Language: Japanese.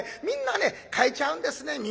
みんなね変えちゃうんですね。